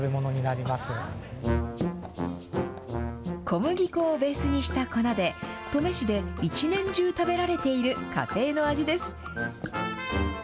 小麦粉をベースにした粉で、登米市で一年中食べられている家庭の味です。